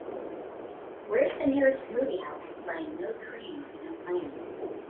where's the nearest movie house playing No Trains No Planes